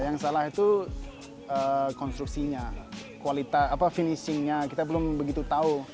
yang salah itu konstruksinya kualitas finishingnya kita belum begitu tahu